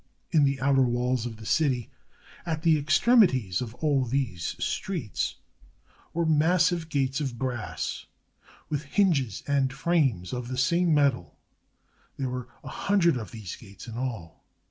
In the outer walls of the city, at the extremities of aU these streets, were massive gates of brass, with hinges and frames of the same metal. There were a hundred of these gates in all.